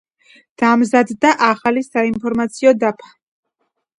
დამზადდა ახალი საინფორმაციო დაფა.